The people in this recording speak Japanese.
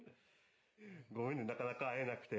ごめんねなかなか会えなくて。